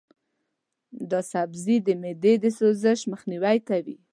دا سبزی د معدې د سوزش مخنیوی کوي.